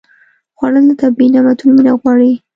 خوړل د طبیعي نعمتونو مینه غواړي